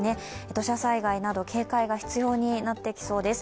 土砂災害など警戒が必要になってきます。